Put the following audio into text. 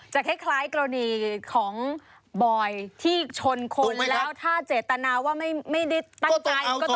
คล้ายกรณีของบอยที่ชนคนแล้วถ้าเจตนาว่าไม่ได้ตั้งใจ